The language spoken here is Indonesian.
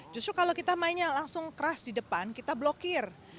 justru kalau kita mainnya langsung keras di depan kita blokir